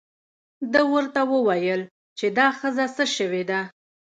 ده ورته وویل چې دا ښځه څه شوې ده.